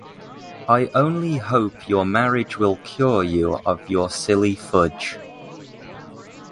I only hope your marriage will cure you of your silly fudge.